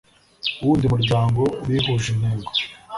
wundi muryango bihuje intego